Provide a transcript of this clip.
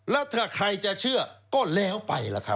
แล้วถ้าใครจะเชื่อก็แล้วไปล่ะครับ